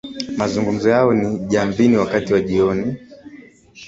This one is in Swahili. Mazungumzo yao ni Jamvini wakati wa jioni